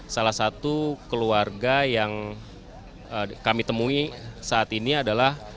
salah satu keluarga yang kami temui saat ini adalah